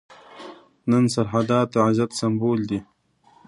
نن سرحدات د عزت سمبول دي.